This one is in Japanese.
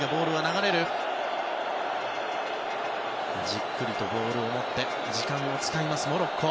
じっくりとボールを持って時間を使います、モロッコ。